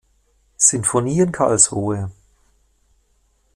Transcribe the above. Sinfonie in Karlsruhe.